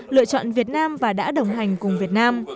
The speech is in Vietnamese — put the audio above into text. lựa chọn việt nam và đã đồng hành cùng việt nam